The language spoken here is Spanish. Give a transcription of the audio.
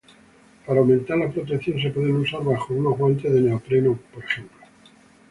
Para aumentar la protección, se pueden usar bajo unos guantes de neopreno, por ejemplo.